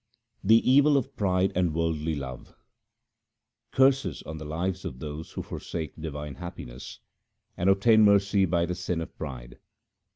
The evil of pride and worldly love :— Curses on the lives of those who forsake divine happiness, and obtain misery by the sin of pride.